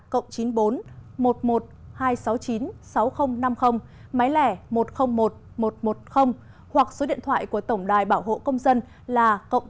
cộng chín mươi bốn một mươi một hai trăm sáu mươi chín sáu nghìn năm mươi máy lẻ một trăm linh một một trăm một mươi hoặc số điện thoại của tổng đài bảo hộ công dân là cộng tám mươi bốn chín trăm tám mươi một tám trăm bốn mươi tám nghìn bốn trăm tám mươi bốn